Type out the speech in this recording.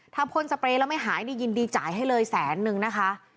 ถ้าพ่นสเปรย์แล้วไม่หายนี่ยินดีจ่ายให้เลยแสนนึงนะคะ